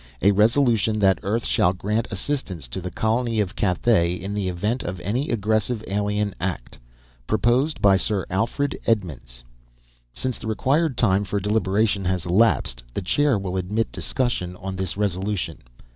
"_A Resolution that Earth shall grant assistance to the Colony of Cathay in the event of any aggressive alien act__, proposed by Sir Alfred Edmonds. Since the required time for deliberation has elapsed, the chair will admit discussion on this resolution.